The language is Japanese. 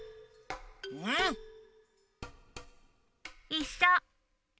いっしょ！